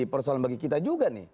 persoalan bagi kita juga nih